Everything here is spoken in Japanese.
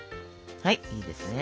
はいいいですね